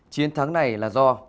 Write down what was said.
chiến thắng này là do